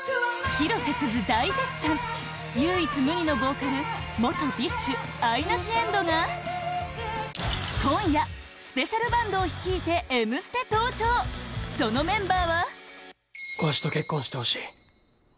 広瀬すず大絶賛唯一無二のボーカル元ＢｉＳＨアイナ・ジ・エンドが今夜、スペシャルバンドを率いて「Ｍステ」登場そのメンバーは雉真：ワシと結婚してほしい。